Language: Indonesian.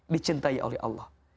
dicintai oleh allah